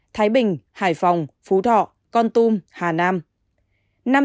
thái bình hải phòng phú thọ con tum hà nam